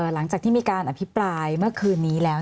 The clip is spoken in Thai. หลังจากที่มีการอภิปรายเมื่อคืนนี้แล้ว